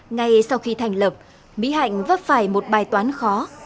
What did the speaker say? ngay sau khi thành lập mỹ hạnh vấp phải một bài toán khó